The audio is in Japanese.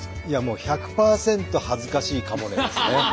いやもう１００％恥ずかしいかもねですね。